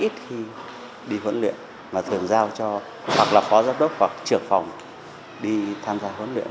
thường đi huấn luyện và thường giao cho hoặc là phó giám đốc hoặc trưởng phòng đi tham gia huấn luyện